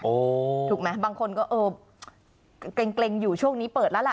ถูกไหมบางคนก็เออเกร็งอยู่ช่วงนี้เปิดแล้วล่ะ